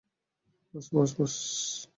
বস, বস, বস।